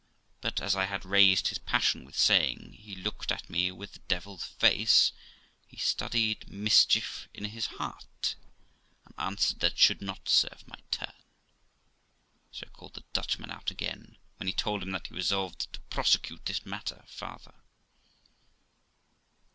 But, as I had raised his passion with saying he looked at me with the devil's face, he studied mischief in his heart, and answered, that should not serve my turn; so called the Dutchman out again, when he told him that he resolved to prosecute this matter farther.